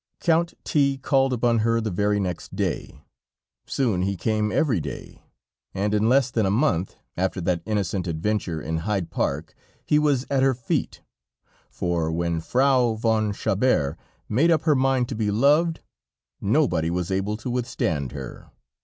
Count T called upon her the very next day, soon he came every day, and in less than a month after that innocent adventure in Hyde Park, he was at her feet; for when Frau von Chabert made up her mind to be loved, nobody was able to withstand her.